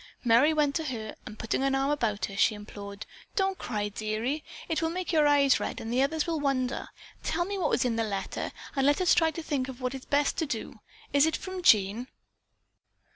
Merry went to her and putting an arm about her, she implored: "Don't, don't cry, dearie. It will make your eyes red and the others will wonder. Tell me what is in the letter and let us try to think what it is best to do. Is it from Jean?"